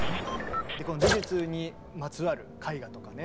この美術にまつわる絵画とかね